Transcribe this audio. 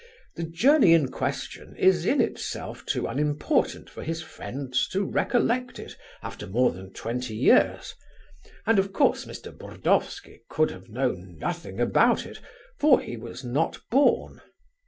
The journey in question is in itself too unimportant for his friends to recollect it after more than twenty years; and of course Mr. Burdovsky could have known nothing about it, for he was not born.